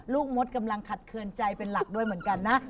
มดกำลังขัดเคือนใจเป็นหลักด้วยเหมือนกันนะ